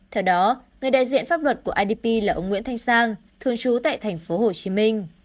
theo đó người đại diện pháp luật của idp là ông nguyễn thanh sang thường trú tại tp hcm